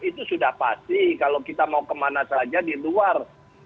itu sudah pasti kalau kita mau kemana saja di luar